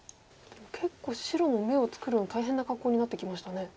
結構白も眼を作るの大変な格好になってきましたね。